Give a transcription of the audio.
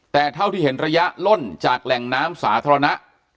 แต่เท่าที่เห็นระยะล่นจากแหล่งน้ำสาธารณะ